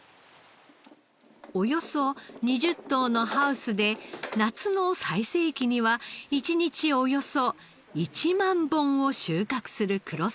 およそ２０棟のハウスで夏の最盛期には１日およそ１万本を収穫する黒澤さん。